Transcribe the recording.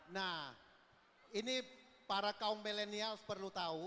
nah ini para kaum milenials perlu tahu